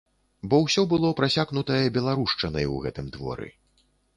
Бо ўсё было прасякнутае беларушчынай у гэтым творы.